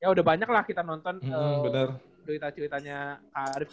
ya udah banyak lah kita nonton berita ceritanya kak arief